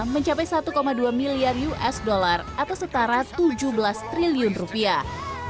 mencapai satu dua miliar usd atau setara tujuh belas triliun rupiah